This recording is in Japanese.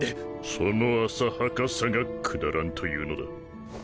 その浅はかさがくだらんというのだ。